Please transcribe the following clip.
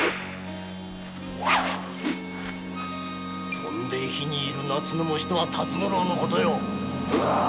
「飛んで火に入る夏の虫」とは辰五郎の事よ。